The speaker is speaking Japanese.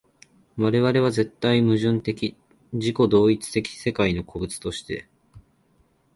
我々は絶対矛盾的自己同一的世界の個物として、